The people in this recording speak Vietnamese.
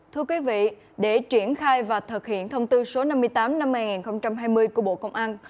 thưa quý vị để triển khai và thực hiện thông tư số năm trăm tám mươi hai nghìn hai mươi ttbc của bộ công an